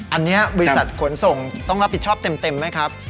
อันนี้บริษัทขนส่งต้องรับผิดชอบเต็มไหมครับ